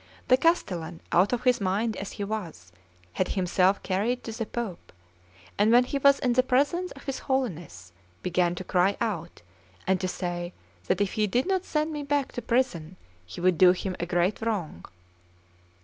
The castellan, out of his mind as he was, had himself carried to the Pope; and when he was in the presence of his Holiness, began to cry out, and to say that if he did not send me back to prison, he would do him a great wrong.